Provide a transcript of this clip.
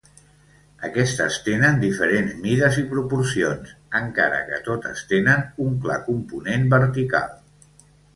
Aquestes tenen diferents mides i proporcions, encara que totes tenen un clar component vertical.